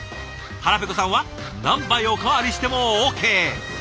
腹ペコさんは何杯おかわりしてもＯＫ。